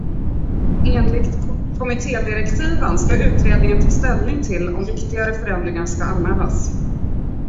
Enligt kommittédirektiven ska utredningen ta ställning till om viktigare förändringar ska anmälas.